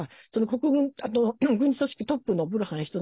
国軍、軍事組織トップのブルハン氏と